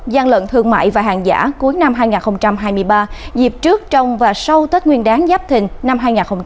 gian lận thương mại và hàng giả cuối năm hai nghìn hai mươi ba dịp trước trong và sau tết nguyên đáng giáp thình năm hai nghìn hai mươi bốn